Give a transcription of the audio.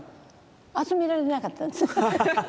集められなかったんです。